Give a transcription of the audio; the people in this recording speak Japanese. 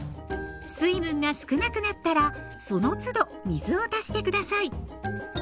水分が少なくなったらそのつど水を足して下さい。